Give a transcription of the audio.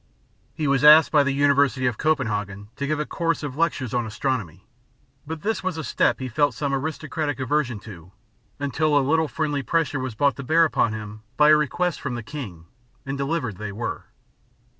He was asked by the University of Copenhagen to give a course of lectures on astronomy; but this was a step he felt some aristocratic aversion to, until a little friendly pressure was brought to bear upon him by a request from the king, and delivered they were.